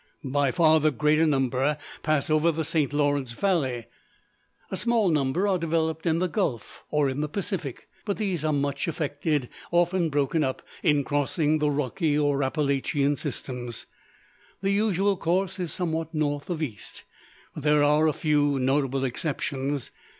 By far the greater number pass over the St. Lawrence valley. A small number are developed in the Gulf, or in the Pacific: but these are much affected, often broken up, in crossing the Rocky or Appalachian systems. The usual course is somewhat north of east; but there are a few notable exceptions.